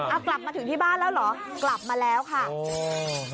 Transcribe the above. อ่ากลับมาถึงที่บ้านแล้วเหรอกลับมาแล้วค่ะโอ้ดีดีดี